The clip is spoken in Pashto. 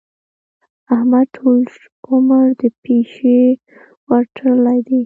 احمد ټول عمر د پيشي ورتړلې دي.